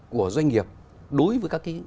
của doanh nghiệp đối với các cái